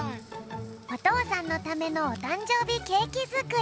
おとうさんのためのおたんじょうびケーキづくり。